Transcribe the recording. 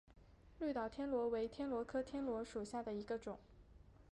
绿岛天螺为天螺科天螺属下的一个种。